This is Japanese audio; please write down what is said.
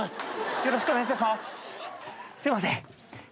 よろしくお願いします。